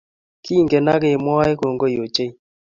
Kingen akemwae kongoi ochei